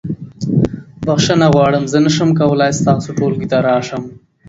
بخښنه غواړم زه نشم کولی ستاسو ټولګي ته راشم.